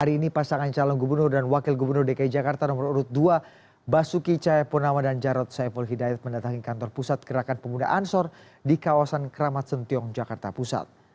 hari ini pasangan calon gubernur dan wakil gubernur dki jakarta nomor urut dua basuki cahayapunama dan jarod saiful hidayat mendatangi kantor pusat gerakan pemuda ansor di kawasan keramat sentiong jakarta pusat